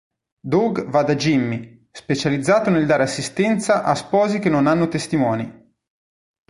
Doug va da Jimmy, specializzato nel dare assistenza a sposi che non hanno testimoni.